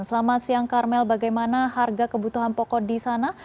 selamat siang karmel bagaimana harga kebutuhan pokok di sana